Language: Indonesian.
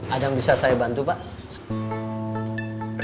ada yang bisa saya bantu pak